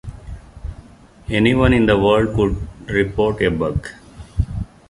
Anyone in the world could report a bug.